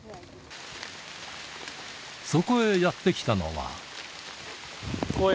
そこへやって来たのは。